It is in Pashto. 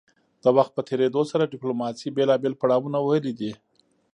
د وخت په تیریدو سره ډیپلوماسي بیلابیل پړاونه وهلي دي